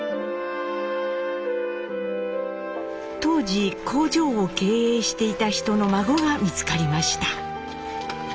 当時工場を経営していた人の孫が見つかりました。